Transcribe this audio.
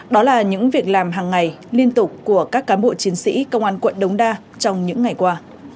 đó là những việc làm hàng ngày liên tục của các cán bộ chiến sĩ công an quận đống đa trong những ngày qua